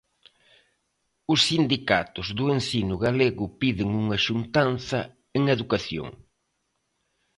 Os sindicatos do ensino galego piden unha xuntanza en Educación.